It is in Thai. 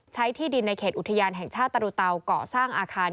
ที่ดินในเขตอุทยานแห่งชาติตรูเตาก่อสร้างอาคาร